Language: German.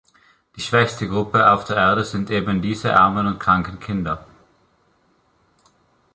Die schwächste Gruppe auf der Erde sind eben diese armen und kranken Kinder.